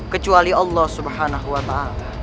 kecuali allah subhanahu wa ta'ala